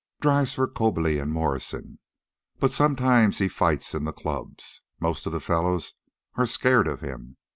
Drives for Coberly and Morrison. But sometimes he fights in the clubs. Most of the fellows are scared of him.